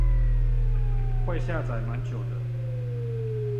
會下載蠻久的